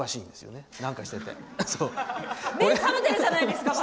目がばっちり覚めてるじゃないですか！